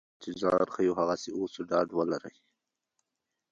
او څنګه چې ځان ښیو هغسې اوسو ډاډ ولرئ.